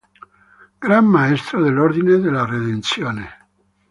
Gran maestro dell’Ordine della Redenzione